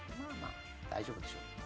大丈夫でしょ。